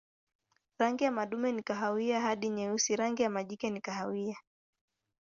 Rangi ya madume ni kahawia hadi nyeusi, rangi ya majike ni kahawia.